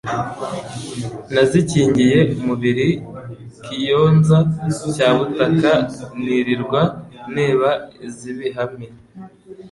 nazikingiye umubili Kiyonza cya Butaka nilirwa nteba iz'ibihame.